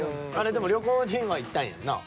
でも旅行には行ったんやな。